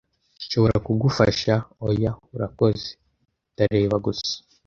"Nshobora kugufasha?" "Oya, urakoze. Ndareba gusa."